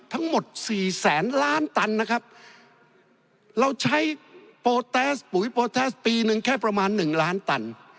ทั้งหมด๔๐๐ล้านตันนะครับเราใช้ปุ๋ยโปรแทสฯภายปีนึงแค่ประมาณ๑ล้านตัน